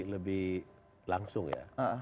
lebih langsung ya